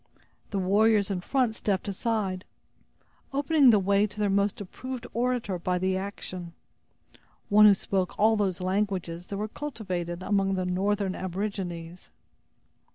The warriors in front stepped aside, opening the way to their most approved orator by the action; one who spoke all those languages that were cultivated among the northern aborigines.